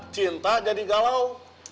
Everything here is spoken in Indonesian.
cinta jadi galau